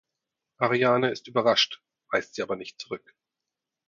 Ariane ist überrascht, weist sie aber nicht zurück.